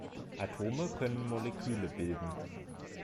Atome können Moleküle bilden.